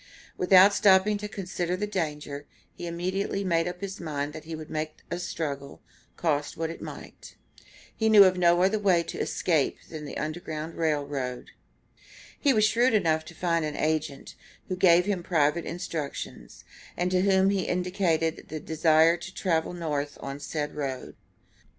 Without stopping to consider the danger, he immediately made up his mind that he would make a struggle, cost what it might. He knew of no other way of escape than the Underground Rail Road. He was shrewd enough to find an agent, who gave him private instructions, and to whom he indicated a desire to travel North on said road.